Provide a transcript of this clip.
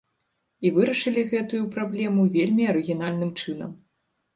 І вырашылі гэтую праблему вельмі арыгінальным чынам.